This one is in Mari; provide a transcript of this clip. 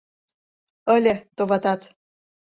Ыле, товатат.